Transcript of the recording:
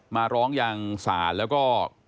มาร้องยังศาลแล้วก็